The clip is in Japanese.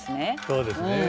そうですね。